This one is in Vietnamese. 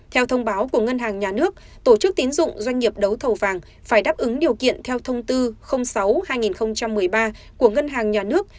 theo thông báo của ngân hàng nhà nước tổ chức tín dụng doanh nghiệp đấu thầu vàng phải đáp ứng điều kiện theo thông tư sáu hai nghìn một mươi ba của ngân hàng nhà nước